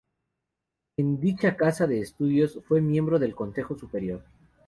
En dicha casa de estudios fue miembro del Consejo Superior.